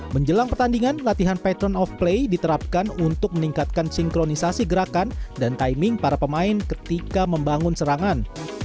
menjelang pertandingan latihan patron of play diterapkan untuk meningkatkan sinkronisasi gerakan dan timing para pemain ketika membangun serangan